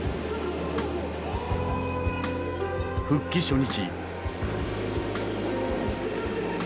復帰初日。